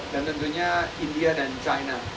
dan tentunya india dan china